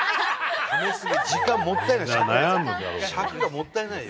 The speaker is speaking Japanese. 時間もったいない。